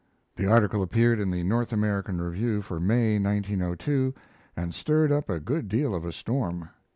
The article appeared in the North American Review for May, 1902, and stirred up a good deal of a storm.